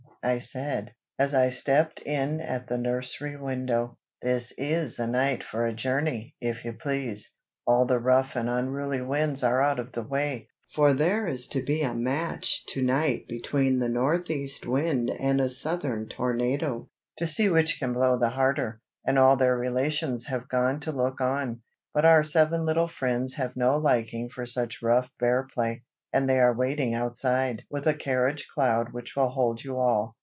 I said, as I stepped in at the nursery window. "This is a night for a journey, if you please. All the rough and unruly Winds are out of the way, for there is to be a match to night between the North east wind and a Southern tornado, to see which can blow the harder, and all their relations have gone to look on. But our seven little friends have no liking for such rough bear play, and they are waiting outside, with a carriage cloud which will hold you all.